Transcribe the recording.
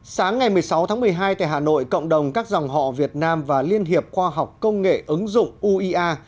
sáng ngày một mươi sáu tháng một mươi hai tại hà nội cộng đồng các dòng họ việt nam và liên hiệp khoa học công nghệ ứng dụng uea